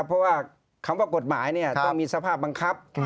เพราะว่าคำว่ากฎหมายต้องมีสภาพบังคับ